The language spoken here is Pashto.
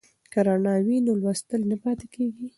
که رڼا وي نو لوستل نه پاتې کیږي.